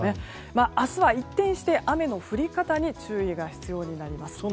明日は一転して雨の降り方に注意が必要になります。